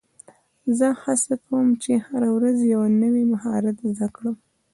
زه هڅه کوم، چي هره ورځ یو نوی مهارت زده کړم.